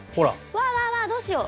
わーわーわーどうしよう？